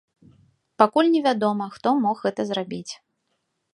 Пакуль невядома, хто мог гэта зрабіць.